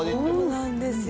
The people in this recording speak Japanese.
そうなんですよ。